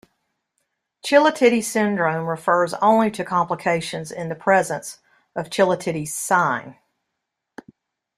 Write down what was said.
Chilaiditi syndrome refers only to complications in the presence of Chilaiditi's sign.